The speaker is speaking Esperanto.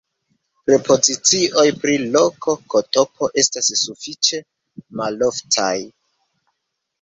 Prepozicioj pri loko ktp estas sufiĉe maloftaj.